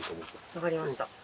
分かりました。